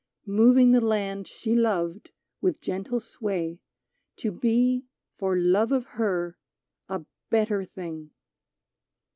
Moving the land she loved, with gentle sway, To be, for love of her, a better thing